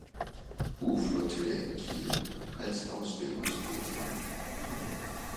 U-Flottille in Kiel als Ausbildungsboot an.